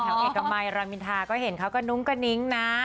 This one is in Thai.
เอกมัยรามินทาก็เห็นเขากระนุ้งกระนิ้งนะ